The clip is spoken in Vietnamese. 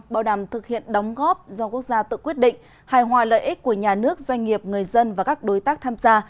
bảo đảm thực hiện đóng góp do quốc gia tự quyết định hài hòa lợi ích của nhà nước doanh nghiệp người dân và các đối tác tham gia